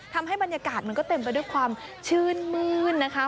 ทำให้บรรยากาศมันก็เต็มไปด้วยความชื่นมื้นนะคะ